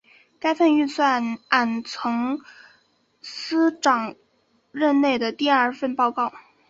该份预算案为曾司长任内的第二份报告。